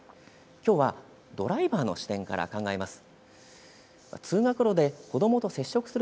きょうはドライバーの視点から考えます。